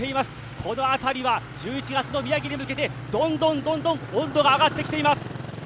この辺りは１１月の宮城に向けて、どんどん温度が上がってきています。